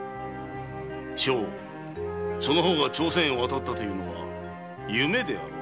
将翁その方が朝鮮へ渡ったというのは「夢」であろう。